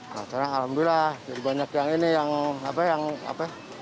nah sekarang alhamdulillah banyak yang ini yang apa yang apa